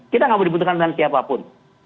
kita nggak boleh dibutuhkan dengan siapapun